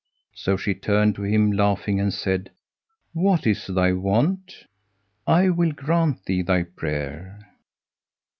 So she turned to him laughing and said, "What is thy want? I will grant thee thy prayer."